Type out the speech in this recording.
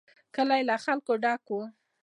کلی له خلکو ډک و.